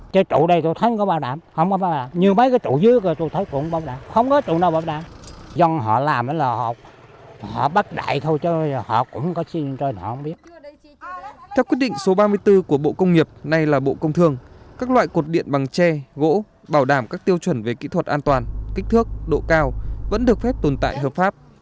theo quyết định số ba mươi bốn của bộ công nghiệp nay là bộ công thương các loại cột điện bằng tre gỗ bảo đảm các tiêu chuẩn về kỹ thuật an toàn kích thước độ cao vẫn được phép tồn tại hợp pháp